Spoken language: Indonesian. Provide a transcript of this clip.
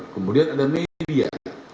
kemudian ada media